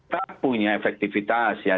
tak punya efektifitas ya